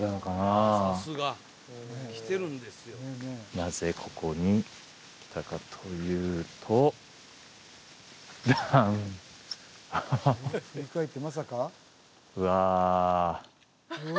なぜここに来たかというとジャンハハハうわ